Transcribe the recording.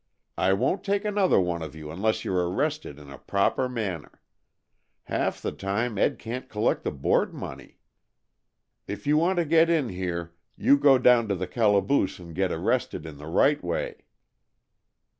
I won't take another one of you unless you 're arrested in a proper manner. Half the time Ed can't collect the board money. If you want to get in here you go down to the calaboose and get arrested in the right way."